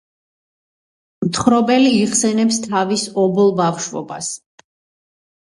მთხრობელი იხსენებს თავის ობოლ ბავშვობას.